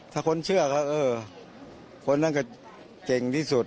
ถ้าคนเชื่อก็เออคนนั้นก็เก่งที่สุด